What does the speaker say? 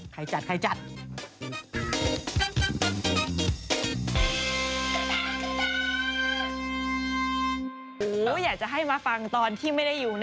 มาแล้วจะเอาเล่นคอนเสิร์ตแล้ว